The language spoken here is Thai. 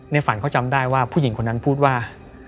ฝันเขาจำได้ว่าผู้หญิงคนนั้นพูดว่า